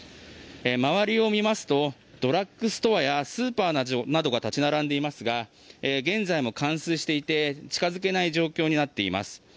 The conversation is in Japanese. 周りを見ますとドラッグストアやスーパーなどが立ち並んでいますが現在も冠水していて近付けない状況になっています。